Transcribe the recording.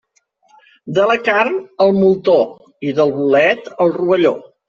De la carn, el moltó, i del bolet el rovelló.